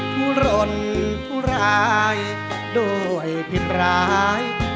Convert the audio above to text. ผู้ร่นผู้ร้ายโดยผิดร้าย